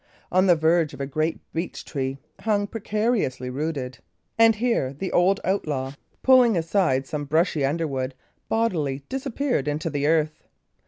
On the verge, a great beech tree hung, precariously rooted; and here the old outlaw, pulling aside some bushy underwood, bodily disappeared into the earth.